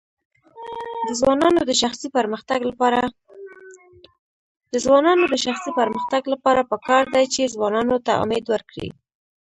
د ځوانانو د شخصي پرمختګ لپاره پکار ده چې ځوانانو ته امید ورکړي.